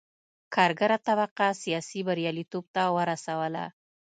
کارګره طبقه سیاسي بریالیتوب ته ورسوله.